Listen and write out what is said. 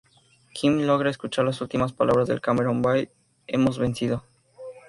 Kim logra escuchar las últimas palabras de Cameron Vale, "Hemos vencido".